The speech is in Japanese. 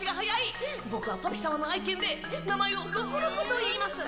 ボクはパピ様の愛犬で名前をロコロコといいます。